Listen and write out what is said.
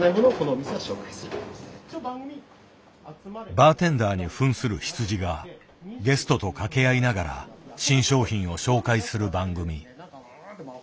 バーテンダーに扮する羊がゲストと掛け合いながら新商品を紹介する番組。